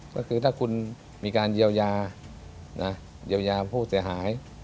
ก็คือถ้าคุณมีการเยียวยาเยียวยาผู้เสียหาย